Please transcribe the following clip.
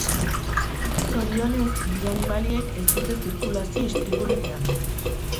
Zorionez, bi animaliek ez dute zirkulazio istripurik eragin.